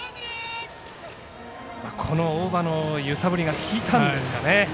大場の揺さぶりがきいたんですかね。